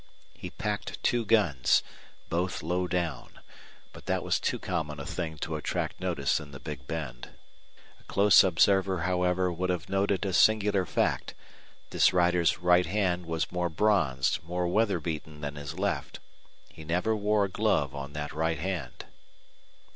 He packed two guns, both low down but that was too common a thing to attract notice in the Big Bend. A close observer, however, would have noted a singular fact this rider's right hand was more bronzed, more weather beaten than his left. He never wore a glove on that right hand!